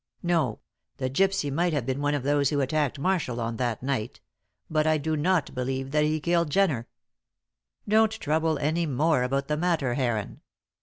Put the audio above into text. No; the gypsy might have been one of those who attacked Marshall on that night; but I do not believe that he killed Jenner. Don't trouble any more about the matter, Heron.